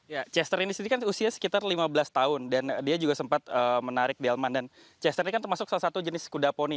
ya chester ini sendiri kan usia sekitar lima belas tahun dan dia juga sempat menarik delman dan chester ini kan termasuk salah satu jenis kuda poni